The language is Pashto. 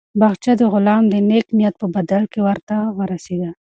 باغچه د غلام د نېک نیت په بدل کې ورته ورسېده.